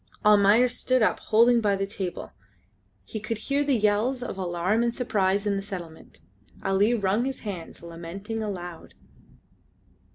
Almayer stood up holding by the table. He could hear the yells of alarm and surprise in the settlement. Ali wrung his hands, lamenting aloud.